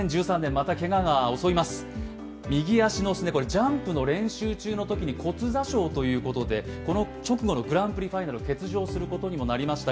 ジャンプの練習中に骨挫傷ということでこの直後のグランプリファイナルを欠場することになりました。